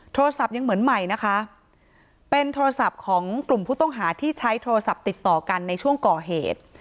โทรศัพท์ยังเหมือนใหม่นะคะเป็นโทรศัพท์ของกลุ่มผู้ต้องหาที่ใช้โทรศัพท์ติดต่อกันในช่วงก่อเหตุ